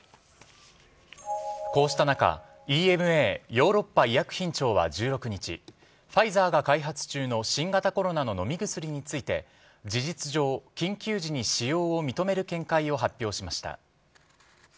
こうした中、ＥＭＡ＝ヨーロッパ医薬品庁は１６日ファイザーが開発中の新型コロナの飲み薬について事実上、緊急時に使用を認める見解を発表しました。